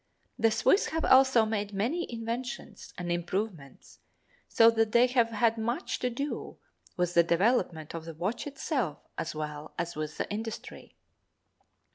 The Swiss have also made many inventions and improvements so that they have had much to do with the development of the watch itself as well as with the industry.